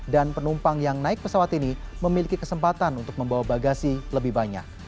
dan penumpang yang naik pesawat ini memiliki kesempatan untuk membawa bagasi lebih banyak